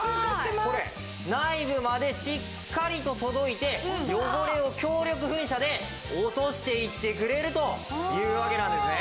これ内部までしっかりと届いて汚れを強力噴射で落としていってくれるというわけなんですね！